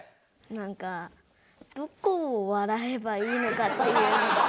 なんかどこを笑えばいいのかっていうのが。